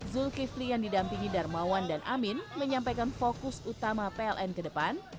zulkifli yang didampingi darmawan dan amin menyampaikan fokus utama pln ke depan